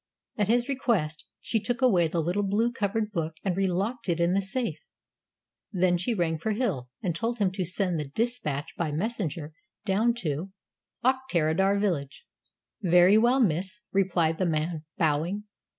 At his request she took away the little blue covered book and relocked it in the safe. Then she rang for Hill, and told him to send the despatch by messenger down to Auchterarder village. "Very well, miss," replied the man, bowing.